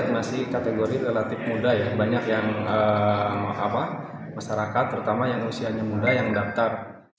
masih kategori relatif muda ya banyak yang masyarakat terutama yang usianya muda yang daftar